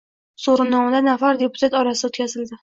So'rovnoma nafar deputat orasida o'tkazildi.